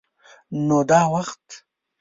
_نو دا وخت؟